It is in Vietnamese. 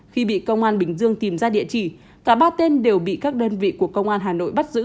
khi bị công an bình dương tìm ra địa chỉ cả ba tên đều bị các đơn vị của công an hà nội bắt giữ